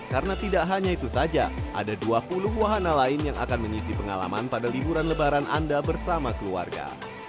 karena tidak hanya itu saja ada dua puluh wahana lain yang akan menyisi pengalaman pada liburan lebaran anda bersama keluarga